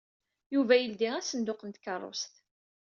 Yuba yeldi asenduq n tkeṛṛust.